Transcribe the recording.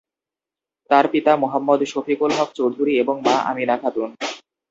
তার পিতা "মোহাম্মদ শফিকুল হক চৌধুরী" এবং মা "আমিনা খাতুন"।